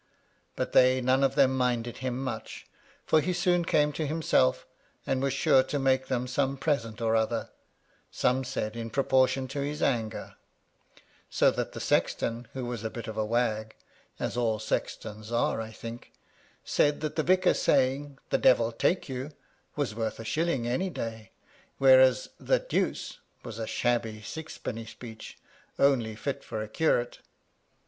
But they none of them minded him much, for he soon came to himself, and was sure to make them some present or other — some said in pro portion to his anger ; so that the sexton, who was a bit of a wag (as all sextons are, I think), said that the vicar's saying, "the Devil take you," was worth a shilling any day, whereas "the Deuce" was a shabby sixpenny speech, only fit for a curate.